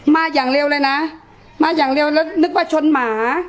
มาอย่างเร็วเลยนะมาอย่างเร็วแล้วนึกว่าชนหมา